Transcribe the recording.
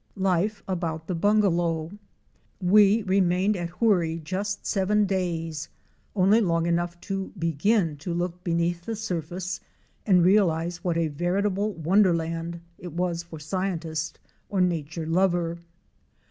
LIFE ABOUT THE BUNGALOW. We remained at Hoorie just seven days — only long enough to begin to look beneath the surface and realize what a veritable wonderland it was for scientist or nature lover.